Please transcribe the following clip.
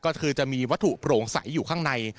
ก็คือจะมีวัตถุโปร่งใสอยู่ข้างใน